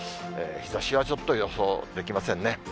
日ざしはちょっと予想できませんね。